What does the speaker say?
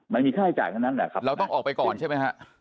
มันมีค่าใช้จ่ายทั้งนั้นแหละครับเราต้องออกไปก่อนใช่ไหมฮะ